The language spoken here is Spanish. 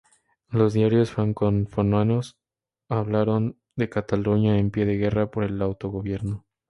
Los diarios francófonos hablaron de una Cataluña en pie de guerra por el autogobierno.